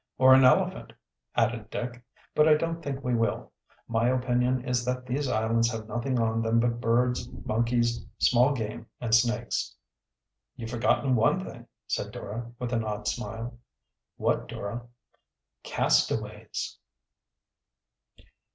"Or an elephant," added Dick. "But I don't think we will. My opinion is that these islands have nothing on them but birds, monkeys, small game, and snakes." "You've forgotten one thing," said Dora, with an odd smile. "What, Dora?" "Castaways."